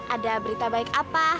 ada berita baik apa